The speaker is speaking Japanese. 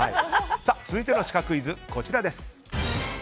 続いてのシカクイズはこちら。